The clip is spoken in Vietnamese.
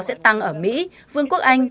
sẽ tăng ở mỹ vương quốc anh